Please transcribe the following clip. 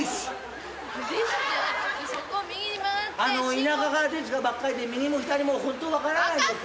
田舎から出てきたばっかりで右も左も分からないんですよ。